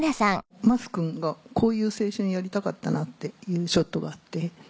桝君が「こういう青春やりたかったな」って言うショットがあって。